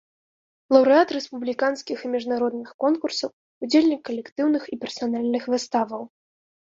Лаўрэат рэспубліканскіх і міжнародных конкурсаў, удзельнік калектыўных і персанальных выставаў.